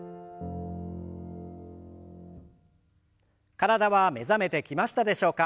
体は目覚めてきましたでしょうか？